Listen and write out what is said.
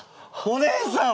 お姉さん！